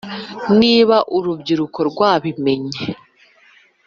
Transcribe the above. niba urubyiruko rwabimenye;